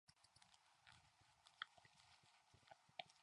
In the final, the team was defeated by Hungary.